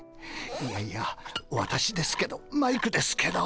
いやいや私ですけどマイクですけど。